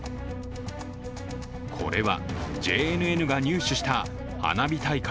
これはＪＮＮが入手した花火大会